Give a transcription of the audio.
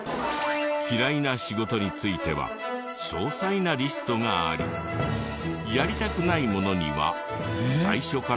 嫌いな仕事については詳細なリストがありやりたくないものには最初からバツ印が。